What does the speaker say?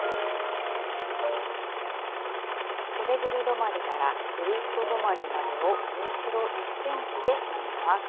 止まりからスリット止まりまでを縫い代１ｃｍで縫います。